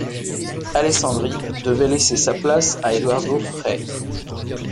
Alessandri devait laisser sa place à Eduardo Frei.